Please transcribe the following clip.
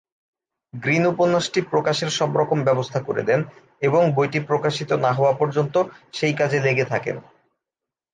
Green উপন্যাসটি প্রকাশের সবরকম ব্যবস্থা করে দেন এবং বইটি প্রকাশিত না হওয়া পর্যন্ত সেই কাজে লেগে থাকেন।